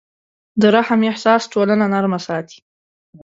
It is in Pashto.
د رحم احساس ټولنه نرمه ساتي.